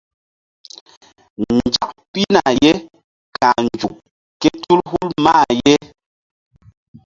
Nzak pihna ye ka̧h nzuk kétul hul mah ye.